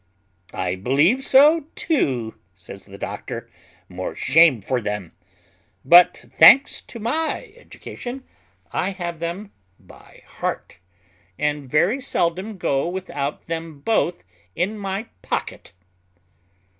"I believe so too," says the doctor, "more shame for them; but, thanks to my education, I have them by heart, and very seldom go without them both in my pocket."